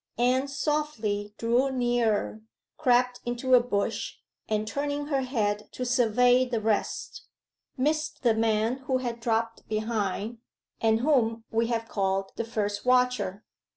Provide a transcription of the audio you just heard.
Anne softly drew nearer, crept into a bush, and turning her head to survey the rest, missed the man who had dropped behind, and whom we have called the first watcher.